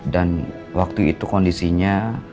dan waktu itu kondisinya